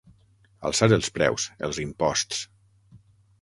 Alçar els preus, els imposts.